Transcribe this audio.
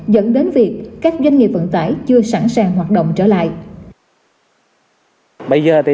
dẫn đến việc các doanh nghiệp vận tải chưa sẵn sàng hoạt động trở lại